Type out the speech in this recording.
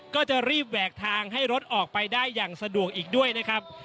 ก็จะรีบแหวกทางให้รถออกไปได้อย่างสะดวกอีกด้วยนะครับ